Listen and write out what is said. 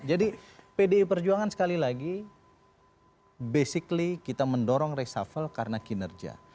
jadi pdi perjuangan sekali lagi basically kita mendorong resafal karena kinerja